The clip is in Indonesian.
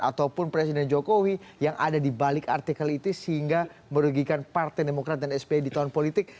ataupun presiden jokowi yang ada di balik artikel itu sehingga merugikan partai demokrat dan sbi di tahun politik